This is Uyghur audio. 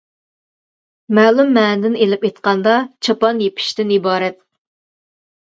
مەلۇم مەنىدىن ئېلىپ ئېيتقاندا، «چاپان يېپىش» تىن ئىبارەت.